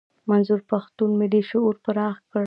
منظور پښتون ملي شعور پراخ کړ.